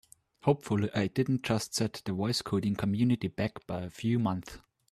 Hopefully I didn't just set the voice coding community back by a few months!